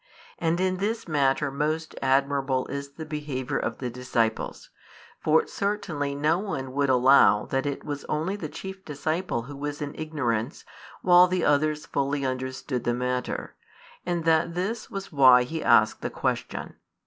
And in this matter most admirable is the behaviour of the disciples. For certainly no one would allow that it was only the chief disciple who was in ignorance while the others fully understood the matter, and that this was why he asked the question.